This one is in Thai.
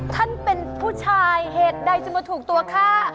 ท่านเป็นผู้ชายเหตุใดจะมาถูกตัวฆ่า